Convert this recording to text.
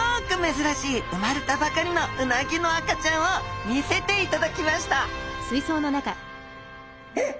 珍しい生まれたばかりのうなぎの赤ちゃんを見せていただきましたえっ？